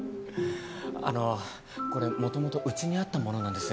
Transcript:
あのこれもともとうちにあったものなんです。